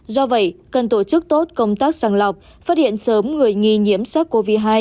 do vậy cần tổ chức tốt công tác sàng lọc phát hiện sớm người nghi nhiễm sars cov hai